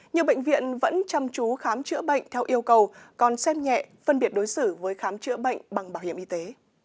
nhiều bệnh viện vẫn chăm chú khám chữa bệnh theo yêu cầu còn xem nhẹ phân biệt đối xử với khám chữa bệnh bằng bảo hiểm y tế